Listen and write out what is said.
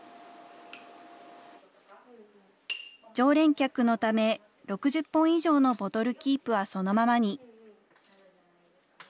常連客のため、６０本以上のボトルキープはそのままに。